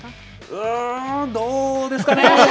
うん、どうですかね。